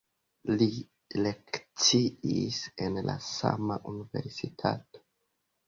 Li lekciis en la sama universitato.